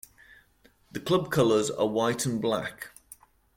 The club colours are white and black.